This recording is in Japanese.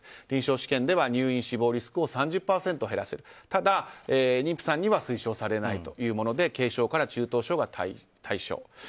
臨床試験では死亡リスクを３０％減らすただ、妊婦さんには推奨されないもので軽症から中等症が対象。